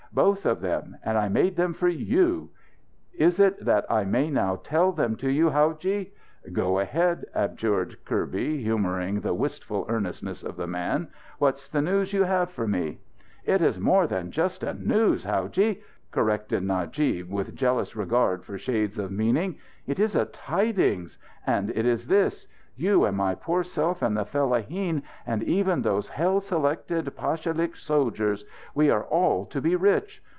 Both of them. And I made them for you. Is it that I may now tell them to you, howadji?" "Go ahead," adjured Kirby, humouring the wistful eagerness of the man. "What's the news you have for me?" "It is more than just a 'news,' howadji," corrected Najib with jealous regard for shades of meaning. "It is a tidings. And it is this: You and my poor self and the fellaheen and even those hell selected pashalik soldiers we are all to be rich.